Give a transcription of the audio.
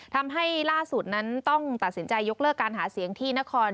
ทำให้ล่าสุดนั้นต้องตัดสินใจยกเลิกการหาเสียงที่นคร